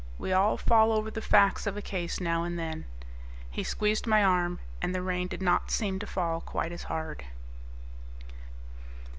We all fall over the facts of a case now and then." He squeezed my arm, and the rain did not seem to fall quite as hard.